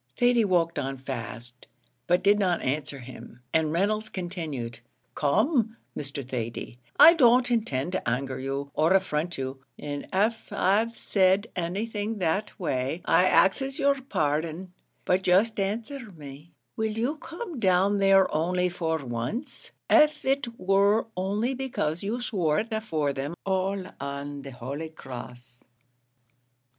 Thady walked on fast, but did not answer him, and Reynolds continued "Come, Mr. Thady, I don't intend to anger you, or affront you; and av I've said anything that way, I axes your pardon; but just answer me will you come down there only for once, av it wor only becase you swore it afore them all on the holy cross?"